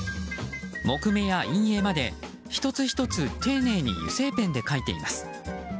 木目や陰影まで、１つ１つ丁寧に油性ペンで描いています。